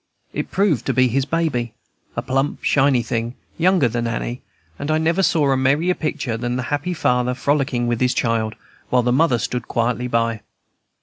It proved to be his baby, a plump, shiny thing, younger than Annie; and I never saw a merrier picture than the happy father frolicking with his child, while the mother stood quietly by.